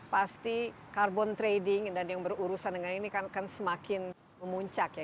pasti carbon trading dan yang berurusan dengan ini kan semakin memuncak ya